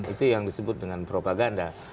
itu yang disebut dengan propaganda